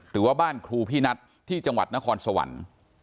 หรือว่าบ้านครูพี่นัทที่จังหวัดนครสวรรค์